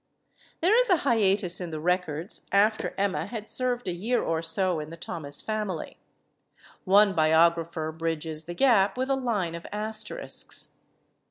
There is a hiatus in the records, after Emma had served a year or so in the Thomas family. One bi ographer bridges the gap with a line of asterisks.